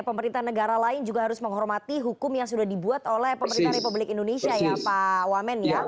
pemerintah negara lain juga harus menghormati hukum yang sudah dibuat oleh pemerintah republik indonesia ya pak wamen ya